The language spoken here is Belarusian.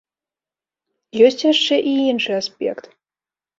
Ёсць яшчэ і іншы аспект.